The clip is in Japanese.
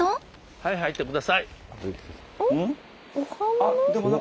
はい入って下さい。